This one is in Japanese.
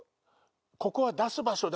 ここは出す場所だ！